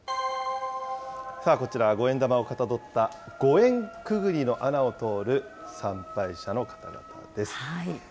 こちらは五円玉をかたどったご縁くぐりの穴を通る参拝者の方々です。